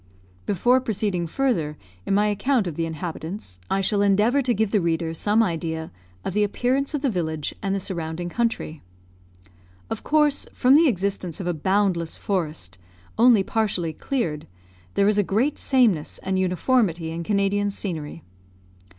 Before proceeding further in my account of the inhabitants, I shall endeavour to give the reader some idea of the appearance of the village and the surrounding country. Of course, from the existence of a boundless forest, only partially cleared, there is a great sameness and uniformity in Canadian scenery.